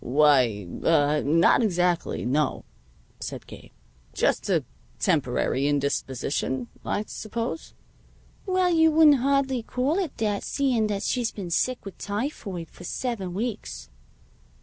"Why ah not exactly; no," said Gabe. "Just a temporary indisposition, I suppose?" "Well, you wouldn't hardly call it that, seeing that she's been sick with typhoid for seven weeks."